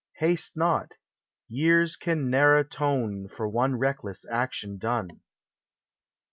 Haste not! Years can ne'er atone For one reckless action done.